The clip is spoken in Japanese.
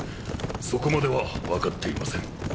そこまでは分かっていません。